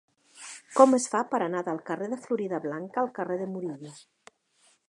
Com es fa per anar del carrer de Floridablanca al carrer de Murillo?